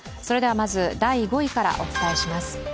まず、第５位からお伝えします。